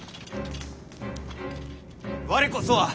我こそは。